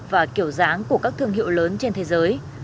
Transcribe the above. và kiểu dáng của các thương hiệu lớn trên thế giới